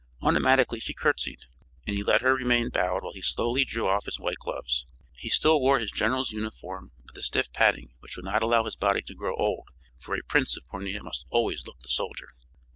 Automatically she curtsied, and he let her remain bowed while he slowly drew off his white gloves. He still wore his general's uniform with the stiff padding which would not allow his body to grow old, for a prince of Pornia must always look the soldier.